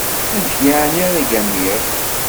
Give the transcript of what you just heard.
Amek yeɛni ara ggamiɣ?